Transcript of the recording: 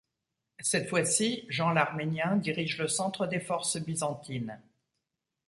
Cette fois-ci, Jean l'Arménien dirige le centre des forces byzantines.